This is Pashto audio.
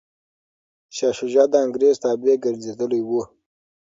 شاه شجاع د انګریز تابع ګرځېدلی و.